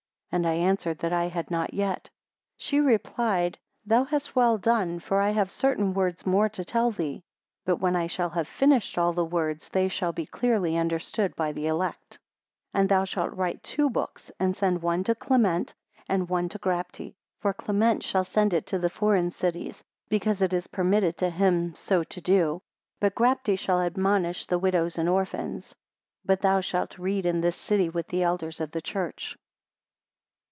And I answered, that I had not yet. 35 She replied, Thou hast well done, for I have certain words more to tell thee. But when I shall have finished all the words, they shall be clearly understood by the elect. 36 And thou shalt write two books, and send one to Clement and one to Grapte. For Clement shall send it to the foreign cities, because it is permitted to him so to do: but Grapte shall admonish the widows and orphans. 37 But thou shalt read in this city with the elders of the church.